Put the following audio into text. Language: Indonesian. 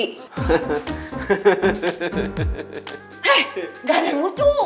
eh gandeng lucu